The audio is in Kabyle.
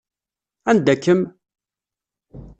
Anda-kem?